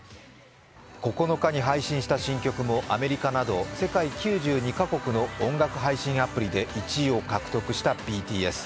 ９日に配信した新曲もアメリカなど世界９２か国の音楽配信アプリで１位を獲得したＢＴＳ。